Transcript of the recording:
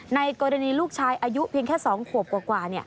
ในกรณีลูกชายอายุเพียงแค่๒ขวบกว่า